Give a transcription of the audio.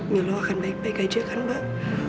mila akan baik baik aja kan mbak